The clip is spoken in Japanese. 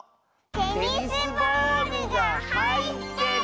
テニスボールがはいってる！